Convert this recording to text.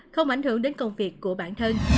không ảnh hưởng đến công việc của bản thân